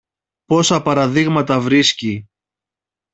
πόσα παραδείγματα βρίσκει!